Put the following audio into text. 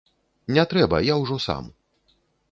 Не трэба, я ўжо сам.